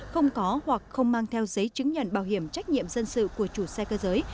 không có hoặc không mang theo giấy chứng nhận bảo hiểm trách nhiệm dân sự của chủ xe cơ giới